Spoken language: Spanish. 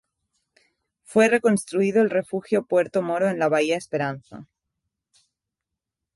Fue reconstruido el refugio Puerto Moro en la bahía Esperanza.